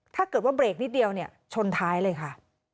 ถ้าเกิดว่าเบรกนิดเดียวเนี่ยชนท้ายเลยค่ะ